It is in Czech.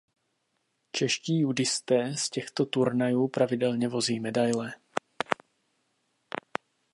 Čeští judisté z těchto turnajů pravidelně vozí medaile.